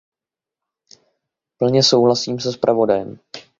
Plně souhlasím se zpravodajem.